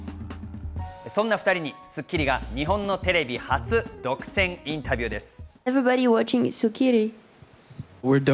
そんな２人に『スッキリ』が日本のテレビ初独占インタビューです。